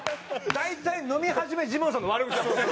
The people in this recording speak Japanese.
大体飲み始めジモンさんの悪口だもんね。